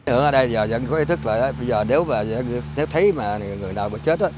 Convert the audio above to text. ở đây dân có ý thức là bây giờ nếu mà thấy mà người nào bỏ chết